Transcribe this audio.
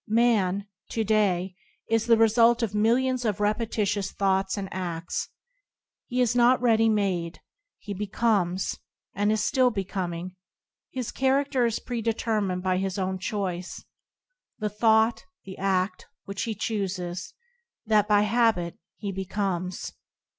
Man, to day, is the result of millions of repetitious thoughts and afts. He is not ready made, he becomes, and is still becoming. His character is predeter [ 2i ] et9an: filing of^mO mined by his own choice. The thought, the ad, which he chooses, that, by habit, he becomes.